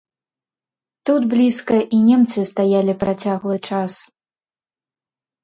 Тут блізка і немцы стаялі працяглы час.